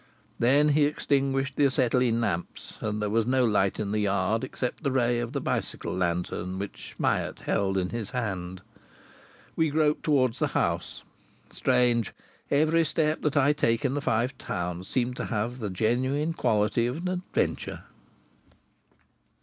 Then he extinguished the acetylene lamps, and there was no light in the yard except the ray of the bicycle lantern which Myatt held in his hand. We groped towards the house. Strange, every step that I take in the Five Towns seems to have the genuine quality of an adventure!